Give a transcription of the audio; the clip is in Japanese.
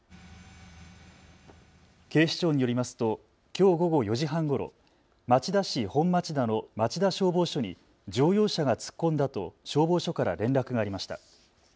警視庁によりますときょう午後４時半ごろ、町田市本町田の町田消防署に乗用車が突っ込んだと消防署から連絡がありました。